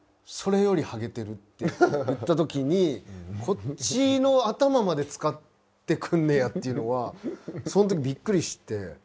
それよりハゲてる」って言った時にこっちの頭まで使ってくんねやっていうのはそん時びっくりして。